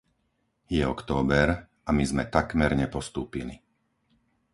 Je október a my sme takmer nepostúpili.